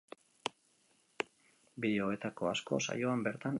Bideo hauetako asko saioan bertan emitituko dira.